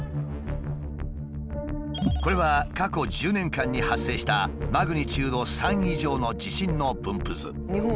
これは過去１０年間に発生したマグニチュード３以上の地震の分布図。